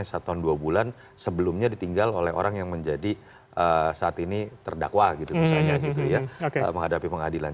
satuan dua bulan sebelumnya ditinggal oleh orang yang menjadi saat ini terdakwa gitu misalnya gitu ya menghadapi pengadilan